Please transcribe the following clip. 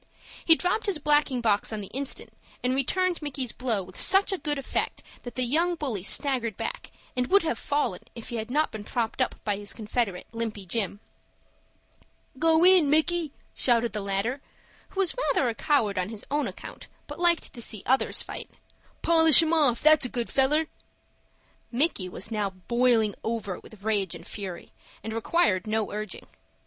He dropped his blacking box on the instant, and returned Micky's blow with such good effect that the young bully staggered back, and would have fallen, if he had not been propped up by his confederate, Limpy Jim. "Go in, Micky!" shouted the latter, who was rather a coward on his own account, but liked to see others fight. "Polish him off, that's a good feller." Micky was now boiling over with rage and fury, and required no urging.